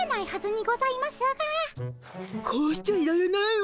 こうしちゃいられないわ。